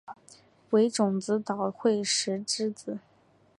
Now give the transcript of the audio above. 为种子岛惠时之子。